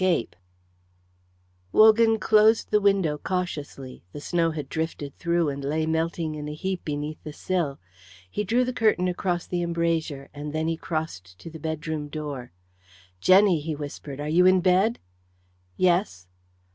CHAPTER XIV Wogan closed the window cautiously. The snow had drifted through and lay melting in a heap beneath the sill. He drew the curtain across the embrasure, and then he crossed to the bedroom door. "Jenny," he whispered, "are you in bed?" "Yes."